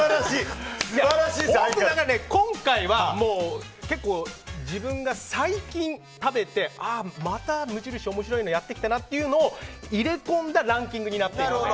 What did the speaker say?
今回は自分が最近食べてああ、また無印面白いのやってきたなというのを入れ込んだランキングになっています。